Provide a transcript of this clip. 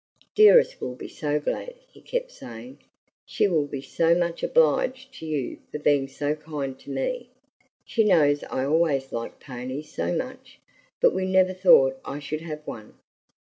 "Dearest will be so glad!" he kept saying. "She will be so much obliged to you for being so kind to me! She knows I always liked ponies so much, but we never thought I should have one.